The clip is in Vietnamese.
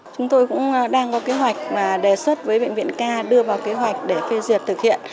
chúng tôi cũng đang có kế hoạch đề xuất với bệnh viện ca đưa vào kế hoạch để phê duyệt thực hiện